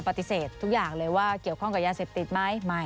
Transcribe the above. ปฏิเสธทุกอย่างเลยว่าเกี่ยวข้องกับยาเสพติดไหม